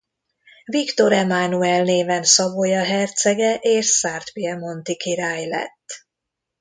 Viktor Emánuel néven Savoya hercege és szárd–piemonti király lett.